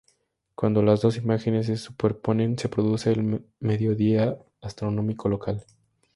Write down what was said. Cuando las dos imágenes se superponen, se produce el mediodía astronómico local.